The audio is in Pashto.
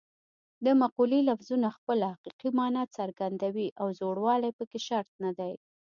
د مقولې لفظونه خپله حقیقي مانا څرګندوي او زوړوالی پکې شرط نه دی